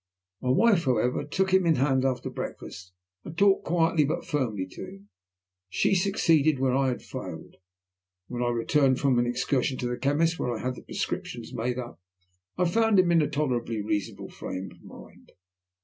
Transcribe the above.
My wife, however, took him in hand after breakfast, and talked quietly but firmly to him. She succeeded where I had failed, and when I returned from an excursion to the chemist's, where I had the prescriptions made up, I found him in a tolerably reasonable frame of mind.